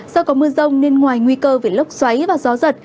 do có mưa rông nên ngoài nguy cơ về lốc xoáy và gió giật